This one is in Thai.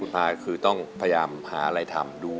อเรนนี่คือเหตุการณ์เริ่มต้นหลอนช่วงแรกแล้วมีอะไรอีก